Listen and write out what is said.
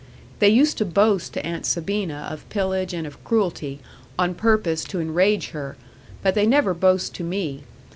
They used to boast to Aunt Sabina of pillage and of cruelty, on purpose to enrage her; but they never boast to me.